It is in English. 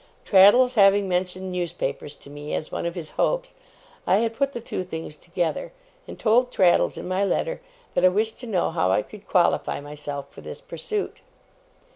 Traddles having mentioned newspapers to me, as one of his hopes, I had put the two things together, and told Traddles in my letter that I wished to know how I could qualify myself for this pursuit.